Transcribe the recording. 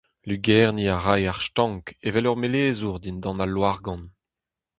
Lugerniñ a rae ar stank evel ur melezour dindan al loargann.